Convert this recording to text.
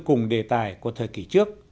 cùng đề tài của thời kỷ trước